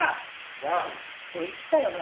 なあ俺言ったよな。